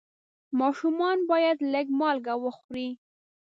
ماشومان باید لږ مالګه وخوري.